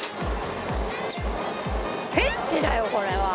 「ペンチだよこれは」